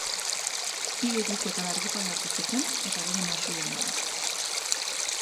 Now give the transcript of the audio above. Bi ediziotan argitaratu zuten eta bere maisu-lana da.